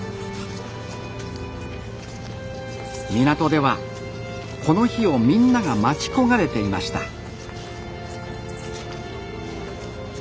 港ではこの日をみんなが待ち焦がれていました。